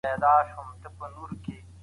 حقایق د علم په مرسته تنظیم کیږي.